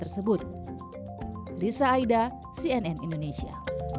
risa aida cnn indonesia